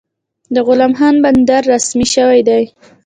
د غلام خان بندر رسمي شوی دی؟